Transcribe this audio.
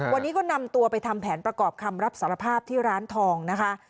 วันนี้ก็นำตัวไปทำแผนประกอบคำรับสารภาพที่ร้านทองนะคะ